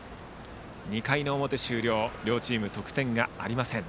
２回の表終了、両チーム得点がありません。